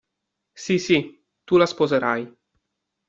Sì, sì, tu la sposerai.